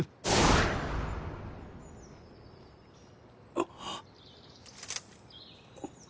あっ。